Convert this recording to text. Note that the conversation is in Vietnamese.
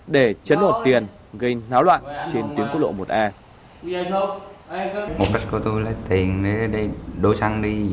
để chấn ột tiền gây náo loạn trên tuyến quốc lộ một a